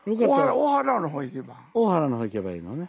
大原のほうへ行けばいいのね？